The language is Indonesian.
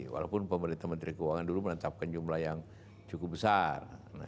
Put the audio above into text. walaupun pemerintah menteri keuangan dulu menetapkan jumlah yang cukup besar